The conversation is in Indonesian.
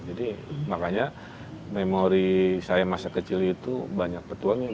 jadi makanya memori saya masa kecil itu banyak petualang